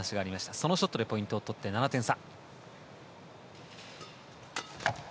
そのショットでポイントを取って７点差。